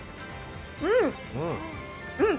うん！